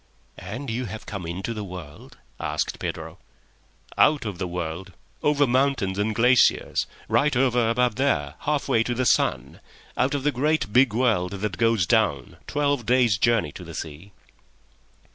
"And you have come into the world?" asked Pedro. "Out of the world. Over mountains and glaciers; right over above there, half way to the sun. Out of the great, big world that goes down, twelve days' journey to the sea."